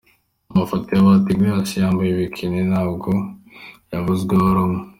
Amafoto ya Bahati Grace yambaye Bikini ntabwo yavuzweho rumwe.